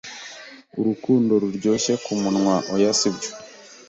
Urukundo ruryoshye kumunwa ?oya sibyo